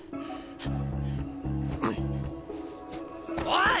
おい！